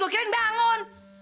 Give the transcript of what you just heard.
gua kirain bangun